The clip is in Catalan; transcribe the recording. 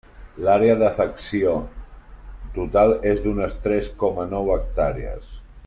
L'àrea d'afecció total és d'unes tres coma nou hectàrees.